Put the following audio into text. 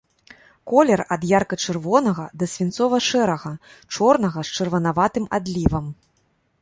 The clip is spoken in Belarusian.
Колер ад ярка-чырвонага да свінцова-шэрага, чорнага з чырванаватым адлівам.